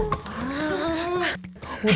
udah baik buat bek